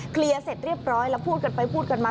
เคลียร์เสร็จเรียบร้อยแล้วพูดกันไปพูดกันมา